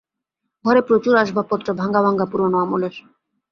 ঘরে প্রচুর আসবাবপত্র, ভাঙা ভাঙা, পুরনো আমলের।